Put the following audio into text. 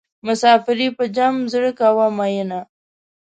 مسافري په جمع زړه کوه مینه.